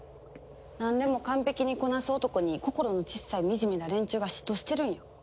なんでも完璧にこなす男に心のちっさい惨めな連中が嫉妬してるんや。